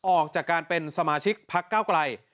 ออกจากการเป็นสมาชิกพักเก้าไกล